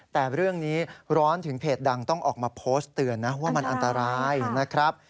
แต่เรื่องนี้ร้อนถึงเพจดังต้องออกมาโพสต์เตือนนะว่ามันอันตรายนะครับ